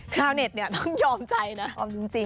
ชาวเน็ตเนี่ยต้องยอมใจนะ